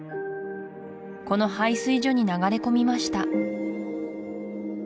この配水所に流れ込みました